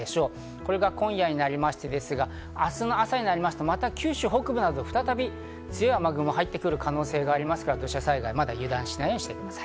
これが今夜になりましてですが、明日朝になりますと九州北部など再び強い雨雲が入ってくる可能性がありますから、土砂災害にまだ油断しないようにしてください。